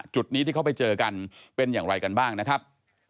จุดนี้ที่เขาไปเจอกันเป็นอย่างไรกันบ้างนะครับ